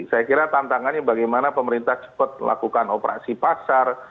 saya kira tantangannya bagaimana pemerintah cepat melakukan operasi pasar